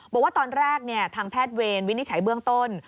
บอกว่าตอนแรกทางแพทย์เวรวินิจฉัยเบื้องต้น